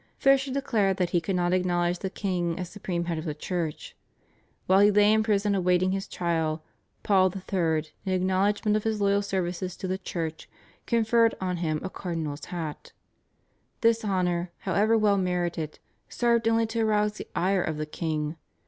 Fisher declared that he could not acknowledge the king as supreme head of the Church. While he lay in prison awaiting his trial, Paul III., in acknowledgment of his loyal services to the Church, conferred on him a cardinal's hat. This honour, however well merited, served only to arouse the ire of the king.